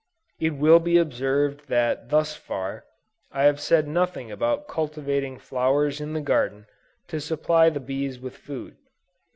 It will be observed that thus far, I have said nothing about cultivating flowers in the garden, to supply the bees with food.